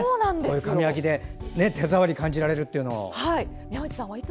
紙焼きで、手触りが感じられるというのは。